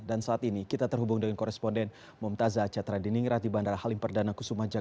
dan saat ini kita terhubung dengan koresponden momtaza acatradiningrati bandara halim perdana kusuma jakarta